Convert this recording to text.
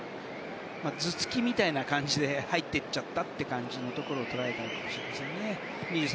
頭突きみたいな感じで入っていっちゃったところをとられたのかもしれませんね。